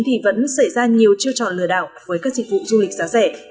thì vẫn xảy ra nhiều chiêu trò lừa đảo với các dịch vụ du lịch giá rẻ